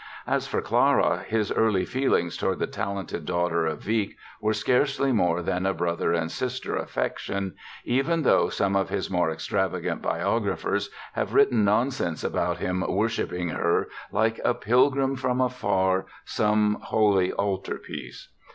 As for Clara, his early feelings toward the talented daughter of Wieck were scarcely more than a brother and sister affection, even though some of his more extravagant biographers have written nonsense about him worshipping her "like a pilgrim from afar some holy altar piece".